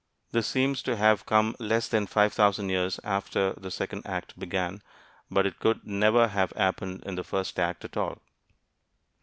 This seems to have come less than five thousand years after the second act began. But it could never have happened in the first act at all.